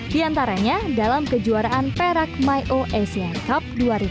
diantaranya dalam kejuaraan perak myo asian cup dua ribu tujuh belas